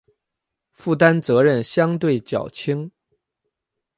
负担责任相对较轻